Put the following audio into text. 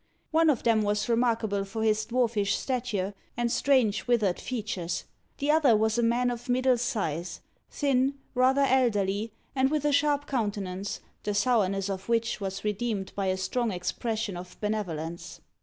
One of them was remarkable for his dwarfish stature and strange withered features. The other was a man of middle size, thin, rather elderly, and with a sharp countenance, the sourness of which was redeemed by a strong expression of benevolence.